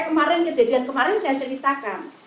kejadian kemarin saya ceritakan